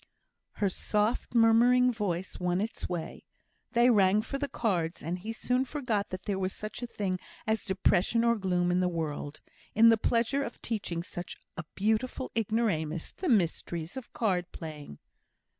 Her soft, murmuring voice won its way. They rang for the cards, and he soon forgot that there was such a thing as depression or gloom in the world, in the pleasure of teaching such a beautiful ignoramus the mysteries of card playing.